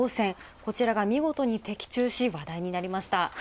こちらが見事に的中し話題になりました。